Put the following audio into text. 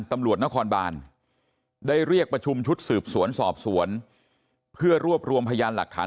ตำรวจนครบานได้เรียกประชุมชุดสืบสวนสอบสวนเพื่อรวบรวมพยานหลักฐาน